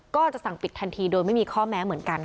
ก็จะสั่งปิดทันทีโดยไม่มีข้อแม้เหมือนกัน